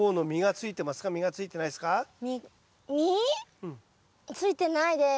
ついてないです。